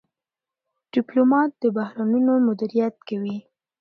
ډيپلومات د بحرانونو مدیریت کوي.